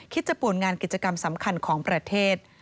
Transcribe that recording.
จะป่วนงานกิจกรรมสำคัญของประเทศ